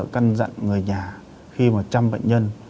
căn dặn người nhà khi mà chăm bệnh nhân